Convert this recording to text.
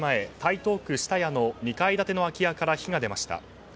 午前９時前、台東区下谷の２階建ての空き家から火が出ました。